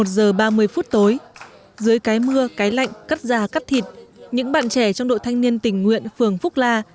một mươi giờ ba mươi phút tối dưới cái mưa cái lạnh cắt già cắt thịt những bạn trẻ trong đội thanh niên tình nguyện phường phúc la